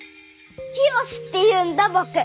きよしっていうんだ僕。